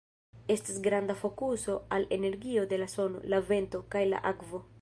Estas granda fokuso al energio de la sono, la vento, kaj la akvo.